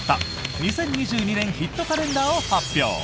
２０２２年ヒットカレンダーを発表。